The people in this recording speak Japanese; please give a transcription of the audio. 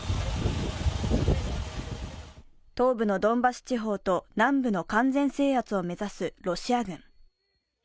東部のドンバス地方と南部の完全制圧を目指すロシア軍。